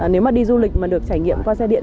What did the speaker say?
nếu mà đi du lịch mà được trải nghiệm qua xe điện